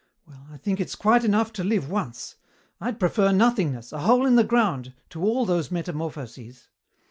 Well, I think it's quite enough to live once. I'd prefer nothingness, a hole in the ground, to all those metamorphoses.